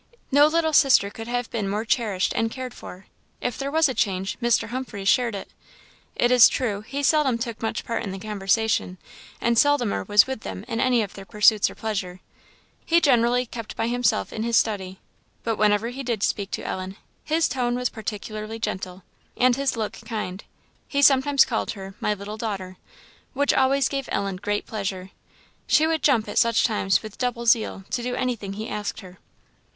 No little sister could have been more cherished and cared for. If there was a change, Mr. Humphreys shared it. It is true, he seldom took much part in the conversation, and seldomer was with them in any of their pursuits or pleasures. He generally kept by himself in his study. But whenever he did speak to Ellen, his tone was particularly gentle, and his look kind. He sometimes called her "My little daughter," which always gave Ellen great pleasure; she would jump at such times with double zeal, to do anything he asked her.